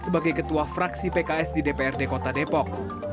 sebagai ketua fraksi pks di dprd kota depok